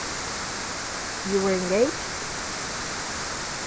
You were engaged.